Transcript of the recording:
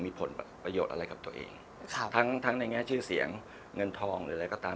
มีผลประโยชน์อะไรกับตัวเองครับทั้งทั้งในแง่ชื่อเสียงเงินทองหรืออะไรก็ตาม